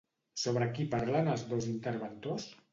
Sobre qui parlen els dos interventors?